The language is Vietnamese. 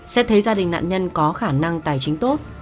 xét thấy gia đình nạn nhân có khả năng tài chính tốt